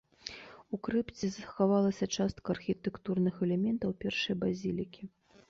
У крыпце захавалася частка архітэктурных элементаў першай базілікі.